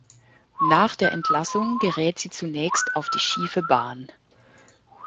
Nach der Entlassung gerät sie zunächst auf die schiefe Bahn.